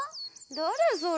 だれそれ？